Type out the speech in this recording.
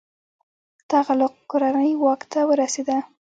تغلق کورنۍ واک ته ورسیده.